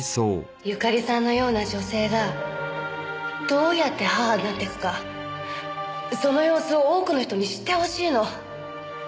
由香利さんのような女性がどうやって母になっていくかその様子を多くの人に知ってほしいの。